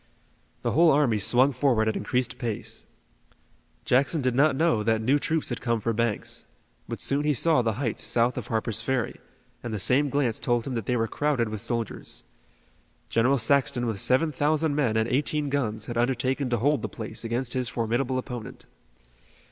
The whole army swung forward at increased pace. Jackson did not know what new troops had come for Banks, but soon he saw the heights south of Harper's Ferry, and the same glance told him that they were crowded with soldiers. General Saxton with seven thousand men and eighteen guns had undertaken to hold the place against his formidable opponent.